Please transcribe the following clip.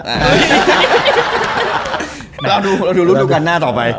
แล้วดูรูปดูกันหน้าต่อไป